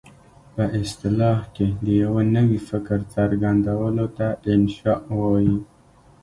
په اصطلاح کې د یوه نوي فکر څرګندولو ته انشأ وايي.